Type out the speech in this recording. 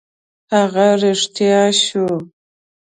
هغه رښتیا شوه.